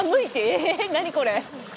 え何これ！？